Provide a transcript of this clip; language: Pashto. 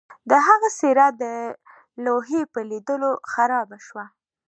د هغه څیره د لوحې په لیدلو خرابه شوه